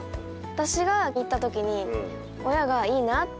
私が行ったときに親が「いいな」って。